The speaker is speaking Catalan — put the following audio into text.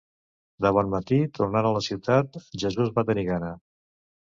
De bon matí, tornant a la ciutat, Jesús va tenir gana.